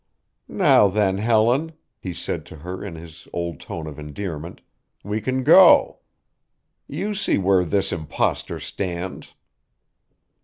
"Now then, Helen," he said to her in his old tone of endearment, "we can go. You see where this impostor stands."